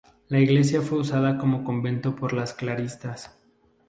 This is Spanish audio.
La iglesia fue usada como convento por las clarisas.